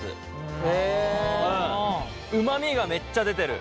うまみがめっちゃ出てる。